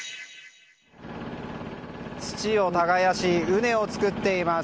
土を耕し、畝を作っています。